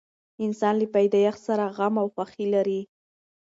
انسان له پیدایښت سره غم او خوښي لري.